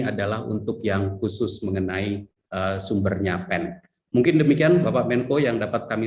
adalah untuk yang khusus mengenai sumbernya pen mungkin demikian bapak menko yang dapat kami